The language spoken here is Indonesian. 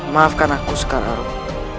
maafkan aku sekarang